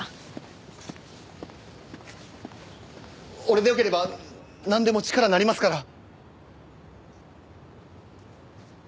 俺でよければなんでも力になりますから！